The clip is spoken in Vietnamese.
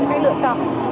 khách lựa chọn